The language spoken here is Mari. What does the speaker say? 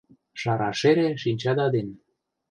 Шара-шере шинчада ден